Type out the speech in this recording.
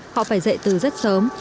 họ phải dậy từ rất sớm